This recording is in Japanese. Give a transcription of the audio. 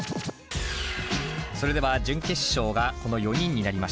それでは準決勝がこの４人になりました。